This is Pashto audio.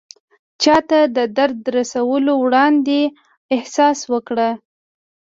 چاته د درد رسولو وړاندې احساس وکړه.